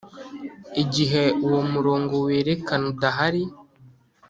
igihe uwo murongo werekana udahari